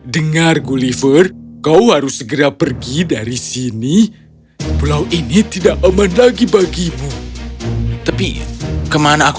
dengar gulliver kau harus segera pergi dari sini pulau ini tidak aman lagi bagimu tapi kemana aku